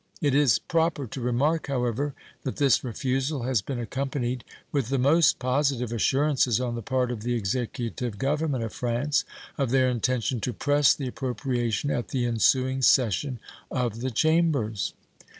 It is proper to remark, however, that this refusal has been accompanied with the most positive assurances on the part of the executive government of France of their intention to press the appropriation at the ensuing session of the Chambers.